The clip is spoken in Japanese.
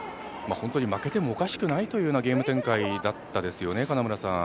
本当に負けてもおかしくないというようなゲーム展開だったですよね。